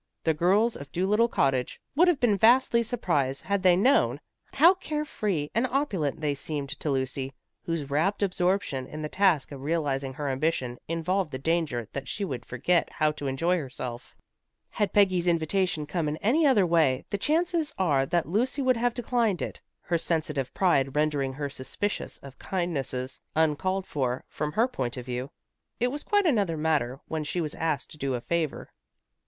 The girls of Dolittle Cottage would have been vastly surprised had they known how carefree and opulent they seemed to Lucy, whose rapt absorption in the task of realizing her ambition involved the danger that she would forget how to enjoy herself. Had Peggy's invitation come in any other way, the chances are that Lucy would have declined it, her sensitive pride rendering her suspicious of kindnesses uncalled for, from her point of view. It was quite another matter when she was asked to do a favor.